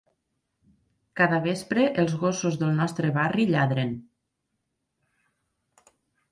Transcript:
Cada vespre, els gossos del nostre barri lladren.